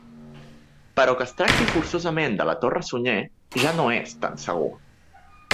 Però que es tracti forçosament de la Torre Sunyer ja no és tan segur.